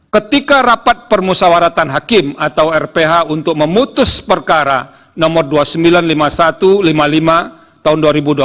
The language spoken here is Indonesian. ketika rapat permusawaratan hakim atau rph untuk memutus perkara nomor dua puluh sembilan lima puluh satu lima puluh lima tahun dua ribu dua puluh